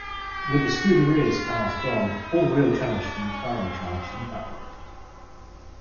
With the Scuderia's cars gone, all real challenge to the McLaren charge had evaporated.